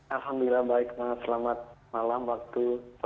alhamdulillah baik selamat malam waktu